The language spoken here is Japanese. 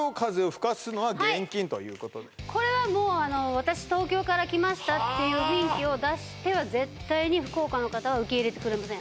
はいこれはもうあの私東京から来ましたっていう雰囲気を出しては絶対に福岡の方は受け入れてくれません